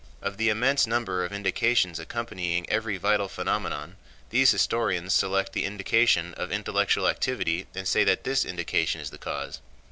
Of the immense number of indications accompanying every vital phenomenon, these historians select the indication of intellectual activity and say that this indication is the cause.